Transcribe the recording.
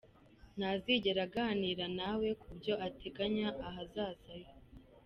Ntazigera aganira nawe ku byo ateganya ahazaza he.